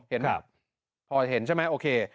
เห็นไหมพอเห็นใช่ไหมโอเค